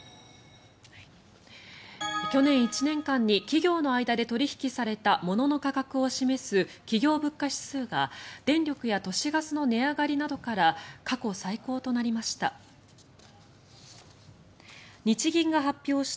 去年１年間に企業の間で取引されたものの価格を示す企業物価指数が電力や都市ガスの値上がりなどから過去最高となりました。